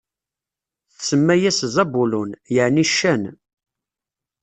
Tsemma-yas Zabulun, yeɛni ccan.